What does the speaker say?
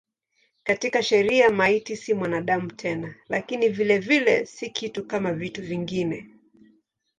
Katika sheria maiti si mwanadamu tena lakini vilevile si kitu kama vitu vingine.